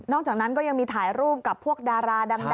อกจากนั้นก็ยังมีถ่ายรูปกับพวกดาราดัง